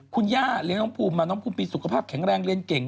คุณย่าเลี้ยงน้องภูมิมาน้องภูมิมีสุขภาพแข็งแรงเรียนเก่ง